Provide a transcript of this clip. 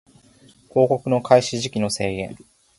広告の開始時期の制限